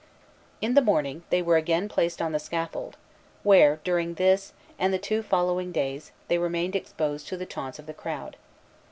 In the morning, they were again placed on the scaffold, where, during this and the two following days, they remained exposed to the taunts of the crowd.